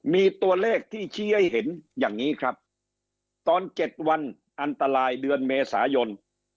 มีตัวเลขที่ชี้ให้เห็นอย่างนี้ครับตอน๗วันอันตรายเดือนเมษายน